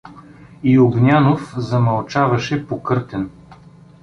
И Огнянов замълчаваше покъртен.